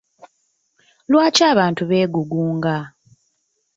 Lwaki abantu beegugunga?